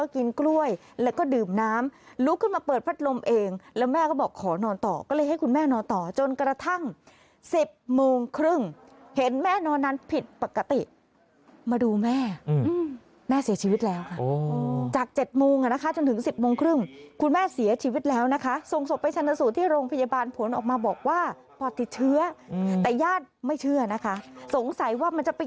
กินกล้วยแล้วก็ดื่มน้ำลุกขึ้นมาเปิดพัดลมเองแล้วแม่ก็บอกขอนอนต่อก็เลยให้คุณแม่นอนต่อจนกระทั่ง๑๐โมงครึ่งเห็นแม่นอนนั้นผิดปกติมาดูแม่แม่เสียชีวิตแล้วค่ะจาก๗โมงอ่ะนะคะจนถึง๑๐โมงครึ่งคุณแม่เสียชีวิตแล้วนะคะส่งศพไปชนะสูตรที่โรงพยาบาลผลออกมาบอกว่าปอดติดเชื้อแต่ญาติไม่เชื่อนะคะสงสัยว่ามันจะไป